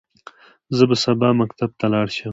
زه به سبا مکتب ته لاړ شم.